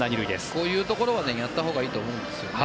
こういうところはやったほうがいいと思うんですね。